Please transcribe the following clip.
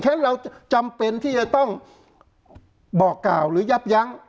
ฉะเราจำเป็นที่จะต้องบอกกล่าวหรือยับยั้ง